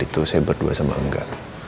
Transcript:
itu saya berdua sama enggak